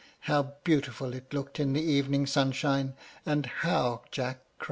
How beautiful it looked in the evening sunshine, and how Jack cried!